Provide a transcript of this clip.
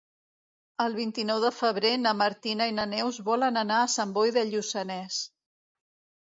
El vint-i-nou de febrer na Martina i na Neus volen anar a Sant Boi de Lluçanès.